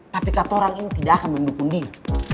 tapi katorang ini tidak akan mendukung dia